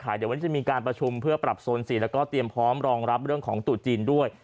เดี๋ยววันนี้จะมีการประชุมเพื่อปรับโซนสีแล้วก็เตรียมพร้อมรองรับเรื่องของตุ๊จีนด้วย